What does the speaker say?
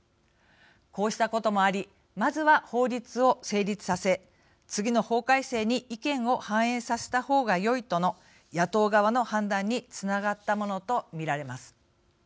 こうしたこともありまずは、法律を成立させ次の法改正に意見を反映させた方がよいとの野党側の判断につながったものと見られます。